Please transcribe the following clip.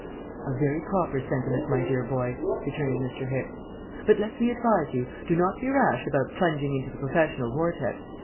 "A very proper sentiment, my dear boy," returned Mr. Hicks; "but let me advise you, do not be rash about plunging into the professional vortex.